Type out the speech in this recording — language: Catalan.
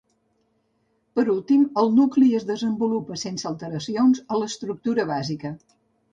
Per últim, el nucli es desenvolupa sense alteracions a l'estructura bàsica.